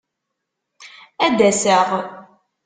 Ad d-aseɣ.